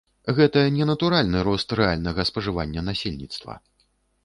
Гэта не натуральны рост рэальнага спажывання насельніцтва.